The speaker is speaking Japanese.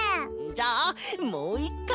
じゃあもう１かい！